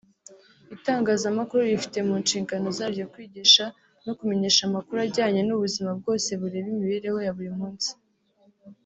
Itangazamakuru rifite mu nshingano zaryo kwigisha no kumenyesha amakuru ajyanye n’ubuzima bwose bureba imibereho ya buri munsi